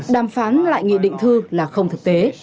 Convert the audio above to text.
đàm phán lại nghị định thư là không thực tế